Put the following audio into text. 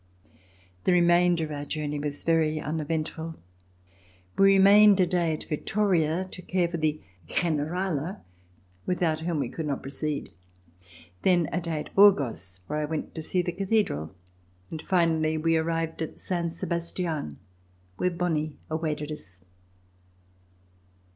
The remainder of our journey was very uneventful. We remained a day at Vittoria to care for the ''Generala," without whom we could not proceed. Then a day at Burgos, where I went to see the Cathedral, and finally we arrived at Saint Sebastlen, where Bonie awaited us.